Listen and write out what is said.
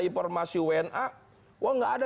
informasi wna wah nggak ada